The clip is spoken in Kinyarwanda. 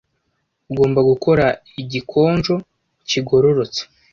Ugomba gukora igikonjo kigororotse.